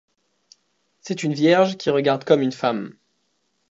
C'est une vierge qui regarde comme une femme.